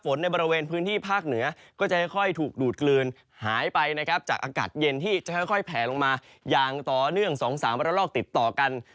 ในบริเวณพื้นที่ภาคเหนือก็จะค่อยถูกดูดกลืนหายไปนะครับจากอากาศเย็นที่จะค่อยแผลลงมาอย่างต่อเนื่อง๒๓ระลอกติดต่อกัน